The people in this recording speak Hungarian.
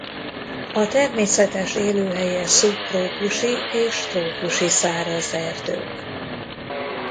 A természetes élőhelye szubtrópusi és trópusi száraz erdők.